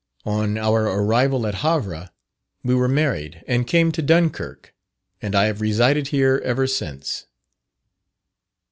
On our arrival at Havre, we were married and came to Dunkirk, and I have resided here ever since."